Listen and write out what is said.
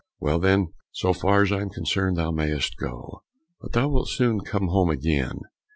"Well, then, so far as I am concerned thou mayst go, but thou wilt soon come home again!"